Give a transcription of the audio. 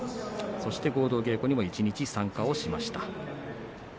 そして合同稽古にも一日参加しました。